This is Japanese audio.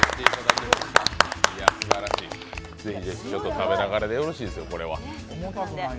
食べながらでよろしいですよ、これは。